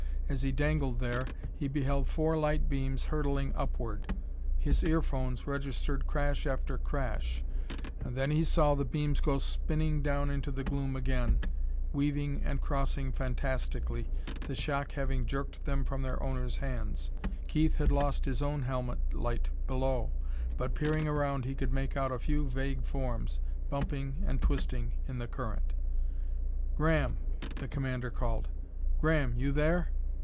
As he dangled there, he beheld four light beams hurtling upward; his earphones registered crash after crash: and then he saw the beams go spinning down into the gloom again, weaving and crossing fantastically, the shock having jerked them from their owner's hands. Keith had lost his own helmet light below, but peering around he could make out a few vague forms, bumping and twisting in the current. "Graham!" the commander called. "Graham, you there?"